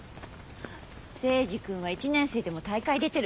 征二君は１年生でも大会出てる。